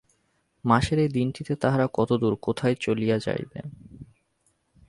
মাসের এই দিনটিতে তাহারা কতদূর, কোথায় চলিয়া যাইবে!